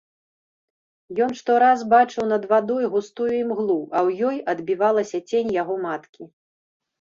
Ён штораз бачыў над вадой густую імглу, а ў ёй адбівалася цень яго маткі.